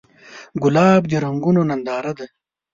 ګلاب د رنګونو ننداره ده.